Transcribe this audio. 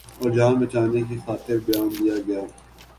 اورجان بچانے کی خاطر بیان دیاگیا۔